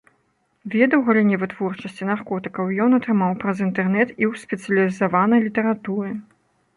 Веды ў галіне вытворчасці наркотыкаў ён атрымаў праз інтэрнэт і ў спецыялізаванай літаратуры.